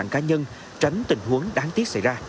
công an phước mỹ